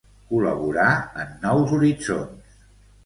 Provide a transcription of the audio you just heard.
Col·laborà en Nous Horitzons.